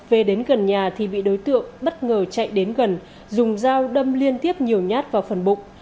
về đến gần nhà thì bị đối tượng bất ngờ chạy đến gần dùng dao đâm liên tiếp nhiều nhát vào phần bụng